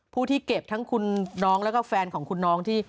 ผู้ที่เก็บทั้งคุณน้องแล้วก็แฟนของคุณน้องที่